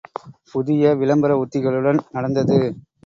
புதிய விளம்பர உத்திகளுடன் நடந்தது!